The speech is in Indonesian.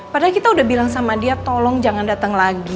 padahal kita udah bilang sama dia tolong jangan datang lagi